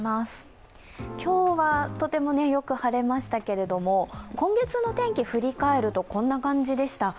今日はとてもよく晴れましたけれども今月の天気、振り返るとこんな感じでした。